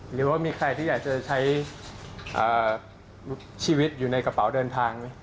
หรือว่ามีใครที่อยากจะใช้ชีวิตอยู่ในกระเป๋าเดินทางไหม